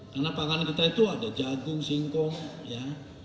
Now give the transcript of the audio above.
karena pangan kita itu ada jagung singkong ya